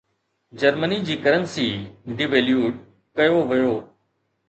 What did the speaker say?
Germany جي currency devalued ڪيو ويو.